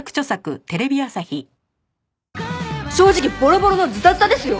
正直ボロボロのズタズタですよ！